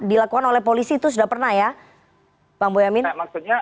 dilakukan oleh polisi itu sudah pernah ya bang boyamin